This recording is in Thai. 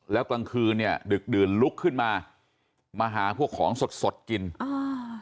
แล้วกลางคืนเนี้ยดึกดื่นลุกขึ้นมามาหาพวกของสดสดกินอ่า